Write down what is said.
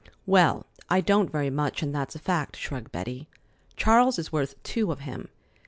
"Well, I don't very much, and that's a fact," shrugged Betty. "Charles is worth two of him.